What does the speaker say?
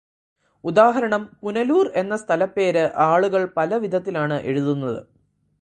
ഉദാഹരണം പുനലൂർ എന്ന സ്ഥലപ്പേര് ആളുകൾ പലവിധത്തിലാണ് എഴുതുന്നത്.